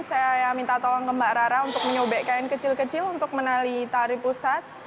saya minta tolong ke mbak rara untuk menyobek kain kecil kecil untuk menali tari pusat